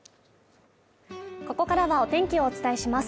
ここからはお天気をお伝えします。